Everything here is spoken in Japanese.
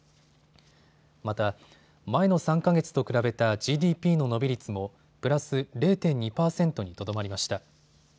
また、前の３か月と比べたＧＤＰの伸び率もプラス０．２％にとどまりました。